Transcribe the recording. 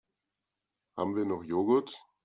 Haben wir noch Joghurt?